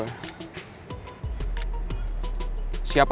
lagi bukan masalah penting juga buat gue